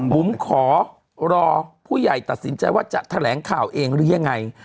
บุ๋มขอรอผู้ใหญ่ตัดสินใจว่าจะแถลงข่าวเองหรือยังไง